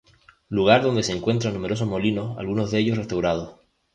Lugar donde se encuentran numerosos molinos, algunos de ellos restaurados.